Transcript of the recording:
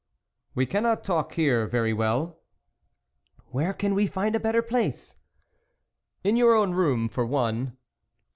" We cannot talk here very well." " Where can we find a better place ?"" In your own room for one."